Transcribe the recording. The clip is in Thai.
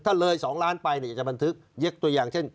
ถ้าเลยสองล้านไปเนี่ยจะบันทึกเย็กตัวอย่างเช่น